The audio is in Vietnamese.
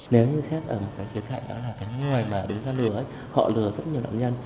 nếu như xét ở cái thiết hại đó là cái người mà đứng ra lừa ấy họ lừa rất nhiều đạo nhân